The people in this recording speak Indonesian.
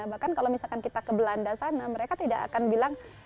bahkan kalau misalkan kita ke belanda sana mereka tidak akan bilang